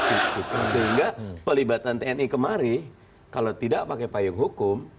sehingga pelibatan tni kemari kalau tidak pakai payung hukum